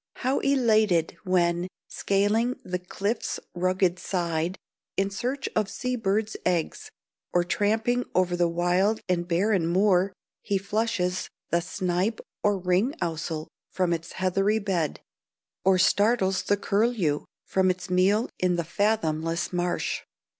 How elated when, scaling the cliff's rugged side in search of sea birds' eggs, or tramping over the wild and barren moor, he flushes the snipe or ring ousel from its heathery bed, or startles the curlew from its meal in the fathomless marsh!